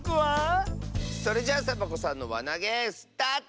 それじゃあサボ子さんのわなげスタート！